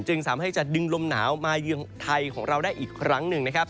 สามารถให้จะดึงลมหนาวมาเยือนไทยของเราได้อีกครั้งหนึ่งนะครับ